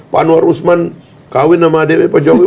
pak anwar usman kawin nama dp pak jokowi